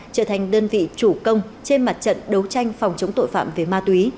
trở thành đơn vị chủ công trên mặt trận đấu tranh phòng chống tội phạm về ma túy